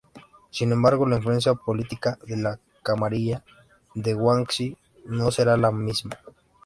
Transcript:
Sin embargo, la influencia política de la camarilla de Guangxi no será la misma.